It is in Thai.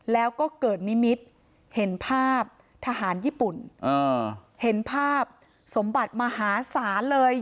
แล้วก็เกิดนิมิตรเห็นภาพทหารญี่ปุ่นเห็นภาพสมบัติมหาศาลเลย